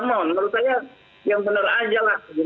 menurut saya yang benar saja